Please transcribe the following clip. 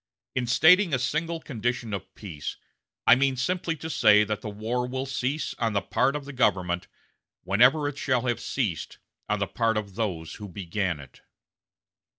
In stating a single condition of peace, I mean simply to say that the war will cease on the part of the government whenever it shall have ceased on the part of those who began it."